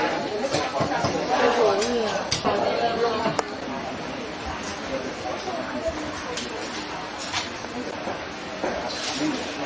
สำคัญครับศึกษุในแขนมนุษย์เหลือเปลี่ยน